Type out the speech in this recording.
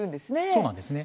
そうなんですね。